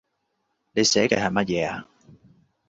你寫嘅係乜嘢呀